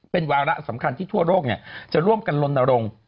เป็นวาระสำคัญที่ทั่วโลกจะร่วมกันลนรงค์